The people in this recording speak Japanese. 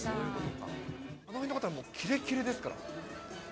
あの辺の方はもう、キレキレですから。